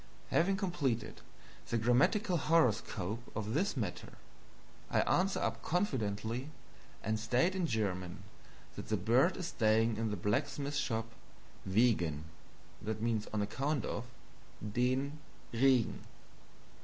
Having completed the grammatical horoscope of this matter, I answer up confidently and state in German that the bird is staying in the blacksmith shop "wegen (on account of) DEN Regen."